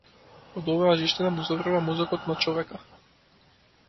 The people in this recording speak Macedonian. Од оваа жештина му зоврива мозокот на човека.